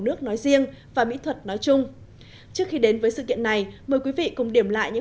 nước nói riêng và mỹ thuật nói chung trước khi đến với sự kiện này mời quý vị cùng điểm lại những